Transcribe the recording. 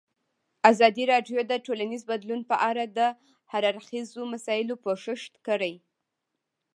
ازادي راډیو د ټولنیز بدلون په اړه د هر اړخیزو مسایلو پوښښ کړی.